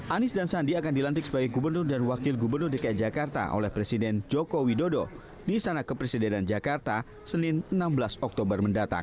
anies dan sandi akan dilantik sebagai gubernur dan wakil gubernur dki jakarta oleh presiden joko widodo di sana kepresidenan jakarta senin enam belas oktober mendatang